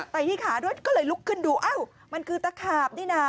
ไปที่ขาด้วยก็เลยลุกขึ้นดูอ้าวมันคือตะขาบนี่นะ